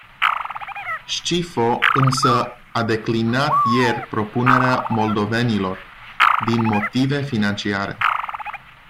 Scifo însă a declinat ieri propunerea moldovenilor, din motive financiare.